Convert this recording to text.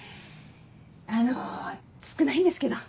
あの少ないんですけど。